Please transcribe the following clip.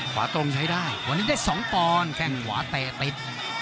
ขวาตรงใช้ได้วันนี้ได้๒ปอนด์แข้งขวาเตะติด